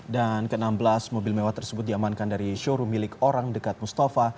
dan ke enam belas mobil mewah tersebut diamankan dari showroom milik orang dekat mustafa